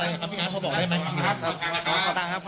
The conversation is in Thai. ยิงมั่วเลยหรอพี่หรือว่าเราเล็งเป้า